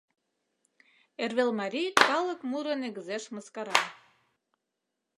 Эрвел марий калык муро негызеш мыскара